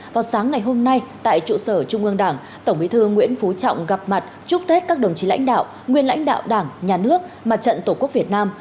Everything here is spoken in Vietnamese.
vào sáng ngày hôm nay tại trụ sở trung ương đảng tổng bí thư nguyễn phú trọng gặp mặt chúc tết các đồng chí lãnh đạo nguyên lãnh đạo đảng nhà nước mặt trận tổ quốc việt nam